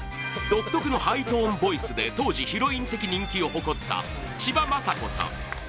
独特のハイトーンボイス当時、ヒロイン的人気を誇った千葉真子さん。